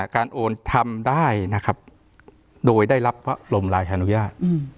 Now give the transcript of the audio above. การโอนทำได้โดยได้รับลมรายธนุญาต